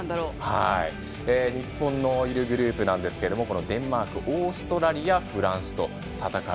日本のいるグループなんですけどデンマーク、オーストラリアフランスと戦う。